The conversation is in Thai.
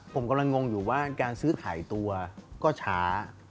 ผมกำลังงงอยู่ว่าการซื้อขายตัวก็ช้า